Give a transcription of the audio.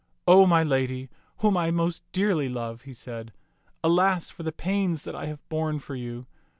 *'0 my lady, whom I most dearly love!" he said, "alas for the pains that I have borne for you!